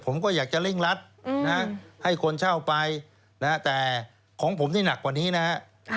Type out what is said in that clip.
ผมก็อยากจะเร่งรัดให้คนเช่าไปแต่ของผมนี่หนักกว่านี้นะฮะ